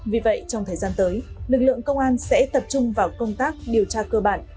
vì vậy trong thời gian tới lực lượng công an sẽ tập trung vào công tác điều tra cơ bản